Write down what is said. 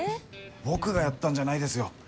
僕がやったんじゃないですよ。